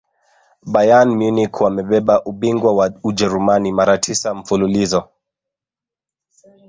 bayern munich wamebeba ubingwa wa ujerumani mara tisa mfululizo